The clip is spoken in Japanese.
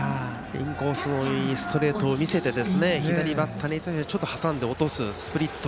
インコースのいいストレートを見せて左バッターに対して挟んで落とすスプリット